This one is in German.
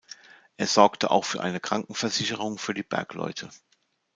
Er sorgte auch für eine Krankenversicherung für die Bergleute.